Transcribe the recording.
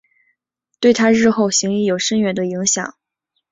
对她日后行医有深远的影响。